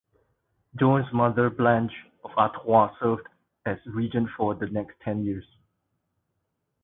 Joan's mother Blanche of Artois served as regent for the next ten years.